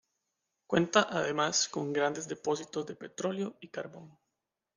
Cuenta además con grandes depósitos de petróleo y carbón.